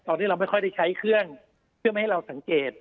ตอนนี้เราไม่ค่อยได้ใช้เครื่องเพื่อไม่ให้เราสังเกต